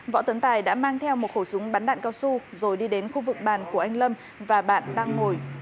võ tấn tài đã mang theo một khẩu súng bắn đạn cao su rồi đi đến khu vực bàn của anh lâm và bạn đang ngồi